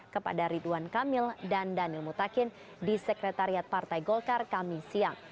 kepada ridwan kamil dan daniel mutakin di sekretariat partai golkar kami siang